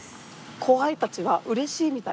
後輩たちはうれしいみたい。